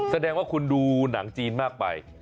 แสดงว่าคุณดูหนังจีนมากไป